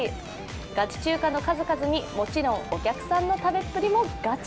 ガチ中華の数々にもちろんお客さんの食べっぷりもガチ。